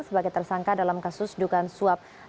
sebagai tersangka dalam kasus dugaan suap